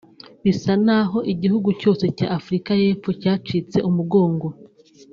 Bisa n’aho igihugu cyose cya Africa y’Epfo cyacitse umugongo